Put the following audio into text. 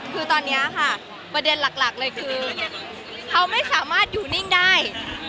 คือตอนนี้ค่ะประเด็นหลักเลยคือเขาไม่สามารถอยู่นิ่งได้